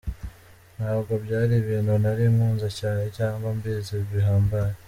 Ntabwo byari ibintu nari nkunze cyane cyangwa mbizi bihambaye.